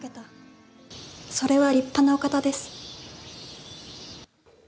それは立派なお方です。